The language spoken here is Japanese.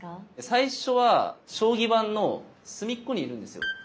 最初は将棋盤の隅っこにいるんですよ。